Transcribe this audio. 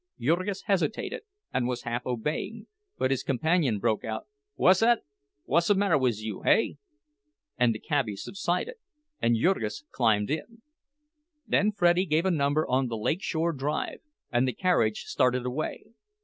Jurgis hesitated, and was half obeying; but his companion broke out: "Whuzzat? Whuzzamatter wiz you, hey?" And the cabbie subsided, and Jurgis climbed in. Then Freddie gave a number on the Lake Shore Drive, and the carriage started away.